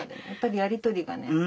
やっぱりやり取りがね。